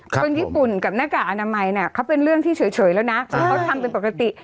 คนญี่ปุ่นกับหน้ากากอนามัยเนี่ยเขาเป็นเรื่องที่เฉยแล้วนะคือเขาทำเป็นปกติ